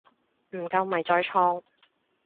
唔夠咪再創